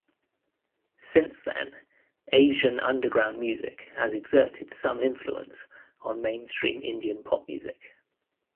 Since then, Asian underground music has exerted some influence on mainstream Indian pop music.